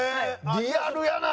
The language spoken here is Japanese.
リアルやな！